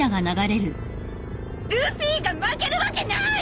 ルフィが負けるわけない！